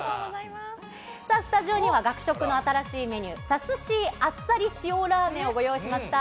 さあ、スタジオには学食の新しいメニュー、サスシーアッサリ塩ラーメンをご用意しました。